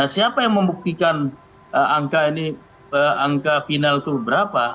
siapa yang membuktikan angka final itu berapa